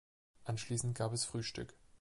Anschließend gab es Frühstück.